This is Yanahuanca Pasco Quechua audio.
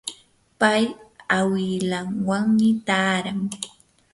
pay awilanwanmi taaran.